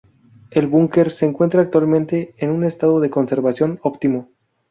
El búnker se encuentra actualmente en un estado de conservación óptimo.